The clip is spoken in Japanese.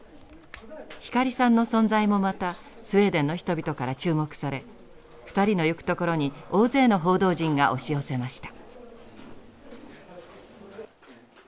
光さんの存在もまたスウェーデンの人々から注目され２人の行く所に大勢の報道陣が押し寄せました。